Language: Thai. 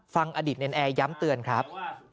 ฟังอดีตเนรนแอร์ย้ำเตือนครับ